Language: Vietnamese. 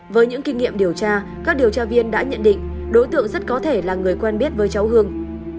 với những kinh nghiệm điều tra các điều tra viên đã nhận định đối tượng rất có thể là người quen biết với cháu hương